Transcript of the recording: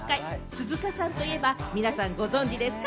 鈴鹿さんといえば、皆さんご存知ですか？